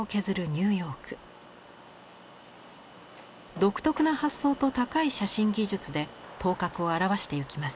独特な発想と高い写真技術で頭角を現してゆきます。